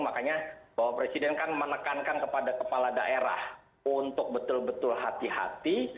makanya bapak presiden kan menekankan kepada kepala daerah untuk betul betul hati hati